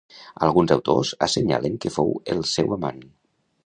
Alguns autors assenyalen que fou el seu amant.